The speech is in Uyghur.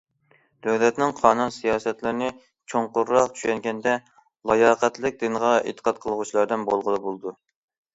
دۆلەتنىڭ قانۇن، سىياسەتلىرىنى چوڭقۇرراق چۈشەنگەندە، لاياقەتلىك دىنغا ئېتىقاد قىلغۇچىلاردىن بولغىلى بولىدۇ.